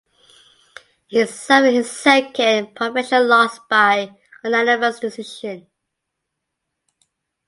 He suffered his second professional loss by unanimous decision.